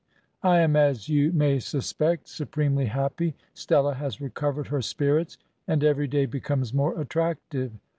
I am, as you may suspect, supremely happy. Stella has recovered her spirits, and every day becomes more attractive.